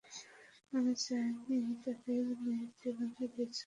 আমি চাইনি, তাঁদের মেয়ের জীবনের বিশৃঙ্খল কোনো গল্প তাঁদের শুনতে হোক।